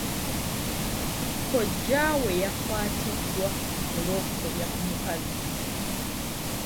Kojjaawe yakwatiddwa olw'okusobya ku mukazi.